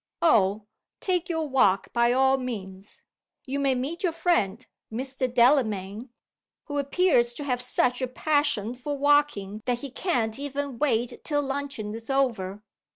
"Oh, take your walk by all means! You may meet your friend, Mr. Delamayn who appears to have such a passion for walking that he can't even wait till luncheon is over.